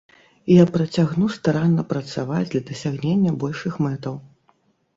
Я працягну старанна працаваць для дасягнення большых мэтаў.